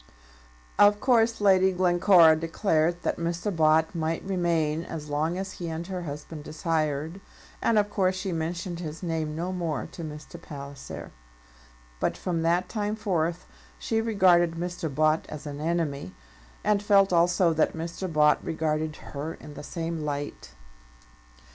Of course Lady Glencora declared that Mr. Bott might remain as long as he and her husband desired, and of course she mentioned his name no more to Mr. Palliser; but from that time forth she regarded Mr. Bott as an enemy, and felt also that Mr. Bott regarded her in the same light.